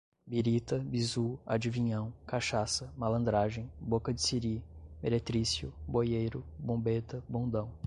birita, bizú, adivinhão, cachaça, malandragem, boca de sirí, meretrício, boieiro, bombeta, bondão